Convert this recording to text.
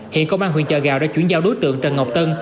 hiện công an huyện chợ gạo đã chuyển giao đối tượng trần ngọc tân